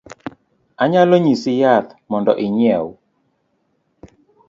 anyalo nyisi yath mondo inyiew